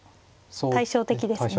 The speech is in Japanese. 対照的ですね。